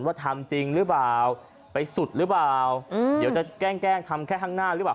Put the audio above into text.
ทำจริงหรือเปล่าไปสุดหรือเปล่าเดี๋ยวจะแกล้งแกล้งทำแค่ข้างหน้าหรือเปล่า